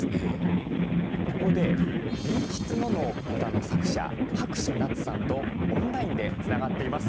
ここで「隣室の」の歌の作者薄暑なつさんとオンラインでつながっています。